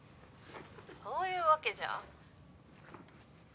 そういうわけじゃ。